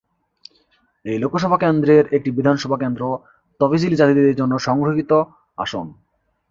এই লোকসভা কেন্দ্রের একটি বিধানসভা কেন্দ্র তফসিলী জাতিদের জন্য সংরক্ষিত আসন।